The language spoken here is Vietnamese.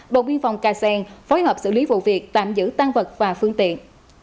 bộ biên phòng cà sèn phối hợp xử lý vụ việc tạm giữ tăng vật và phương tiện